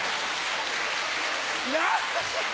何。